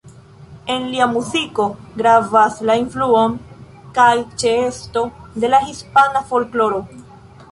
En lia muziko gravas la influo kaj ĉeesto de la hispana folkloro.